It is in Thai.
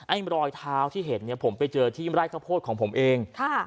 ไอ้รอยเท้าที่เห็นเนี่ยผมไปเจอที่รายข้าวโพสต์ของผมเองค่ะ